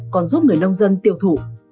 còn giúp người nông dân tiêu thụ